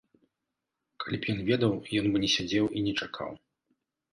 Калі б ён ведаў, ён бы не сядзеў і не чакаў.